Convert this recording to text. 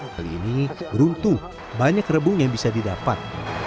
kali ini beruntung banyak rebung yang bisa didapat